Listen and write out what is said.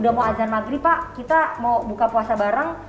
udah mau azan maghrib pak kita mau buka puasa bareng